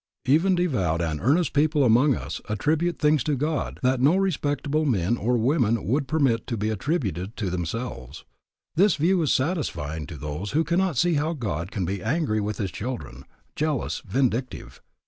Even devout and earnest people among us attribute things to God that no respectable men or women would permit to be attributed to themselves. This view is satisfying to those who cannot see how God can be angry with his children, jealous, vindictive.